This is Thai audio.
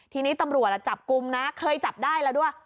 ทีนี้ตำรวจจับกลุ่มนะเคยจับได้แล้วด้วย